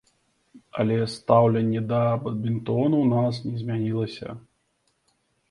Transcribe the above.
Але стаўленне да бадмінтону ў нас не змянілася.